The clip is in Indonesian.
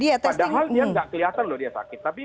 dia nggak kelihatan loh dia sakit tapi